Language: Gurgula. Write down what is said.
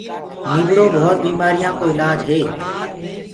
نيٚڀڙو ڀوت بيمآريآن ڪو اِلآج هي